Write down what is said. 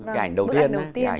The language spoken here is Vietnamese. cái ảnh đầu tiên